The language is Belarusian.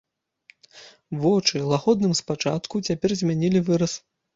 Вочы, лагодныя спачатку, цяпер змянілі выраз.